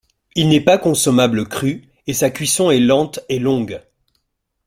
Il n'est pas consommable cru et sa cuisson est lente et longue.